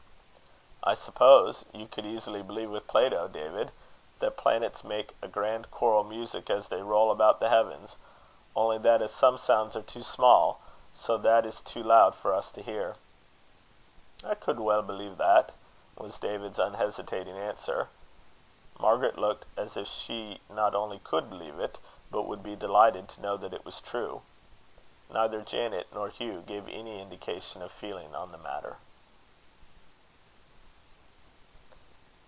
"I suppose you could easily believe with Plato, David, that the planets make a grand choral music as they roll about the heavens, only that as some sounds are too small, so that is too loud for us to hear." "I cud weel believe that," was David's unhesitating answer. Margaret looked as if she not only could believe it, but would be delighted to know that it was true. Neither Janet nor Hugh gave any indication of feeling on the matter.